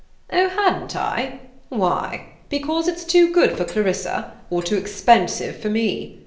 "Oh, hadn't I? Why? Because it's too good for Clarissa, or too expensive for me?